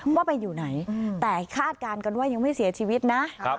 ว่าไปอยู่ไหนแต่คาดการณ์กันว่ายังไม่เสียชีวิตนะ